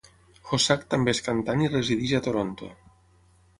Hossack també és cantant i resideix a Toronto.